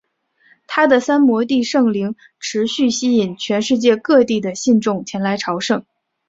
他的三摩地圣陵持续吸引全世界各地的信众前来朝圣。